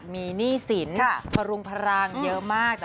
มีหนี้สินพรุงพลังเยอะมาก